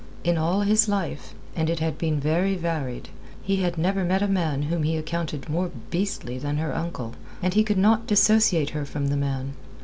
In all his life and it had been very varied he had never met a man whom he accounted more beastly than her uncle, and he could not dissociate her from the man.